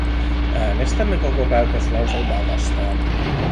Äänestämme koko päätöslauselmaa vastaan.